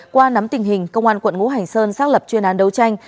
qua nắm tình hình công an quận ngũ hành sơn xác lập chuyên án đấu tranh